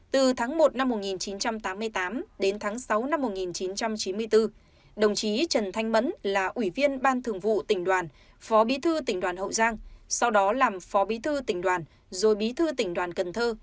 từ tháng một năm một nghìn chín trăm tám mươi tám đến tháng sáu năm một nghìn chín trăm chín mươi bốn đồng chí trần thanh mẫn là ủy viên ban thường vụ tỉnh đoàn phó bí thư tỉnh đoàn hậu giang sau đó làm phó bí thư tỉnh đoàn rồi bí thư tỉnh đoàn cần thơ